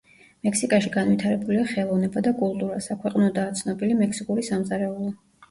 მექსიკაში განვითარებულია ხელოვნება და კულტურა, საქვეყნოდაა ცნობილი მექსიკური სამზარეულო.